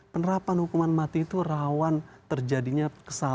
penerapan hukuman mati itu rawan terjadinya kesalahan